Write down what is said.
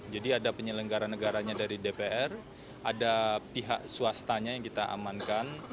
jadi ada penyelenggaran negaranya dari dpr ada pihak swastanya yang kita amankan